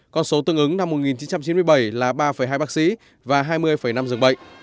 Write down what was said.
con số tương ứng năm một nghìn chín trăm chín mươi bảy là ba hai bác sĩ và hai mươi năm dường bệnh